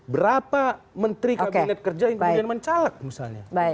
berapa menteri kabinet kerja yang kemudian mencalek misalnya